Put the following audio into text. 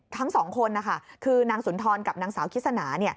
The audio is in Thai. ทั้งสองคนนะคะคือนางสุนทรกับนางสาวคิสนา